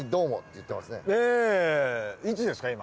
いつですか今。